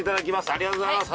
ありがとうございます！